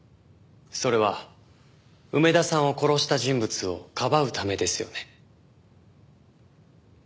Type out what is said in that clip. それは梅田さんを殺した人物をかばうためですよね？